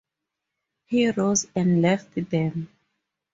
He rose and left them.